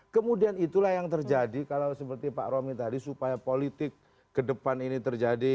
kemudian itulah yang terjadi kalau seperti pak romy tadi supaya politik kedepan ini terjadi